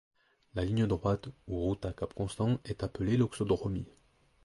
La ligne droite, ou route à cap constant, est appelée loxodromie.